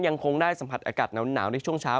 ยังคงได้สัมผัสอากาศหนาวในช่วงเช้า